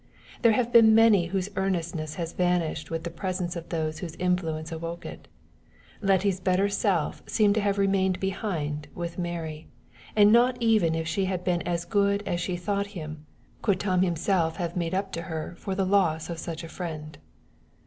There have been many whose earnestness has vanished with the presence of those whose influence awoke it. Letty's better self seemed to have remained behind with Mary; and not even if he had been as good as she thought him, could Tom himself have made up to her for the loss of such a friend.